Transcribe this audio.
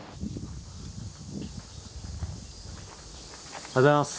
おはようございます。